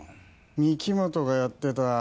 御木本がやってた